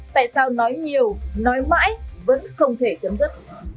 tại sao nói nhiều nói mãi vẫn không thể chấm dứt